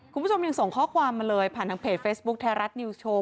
คุณผู้ชมยังส่งข้อความมาเลยผ่านทางเพจเฟซบุ๊คไทยรัฐนิวสโว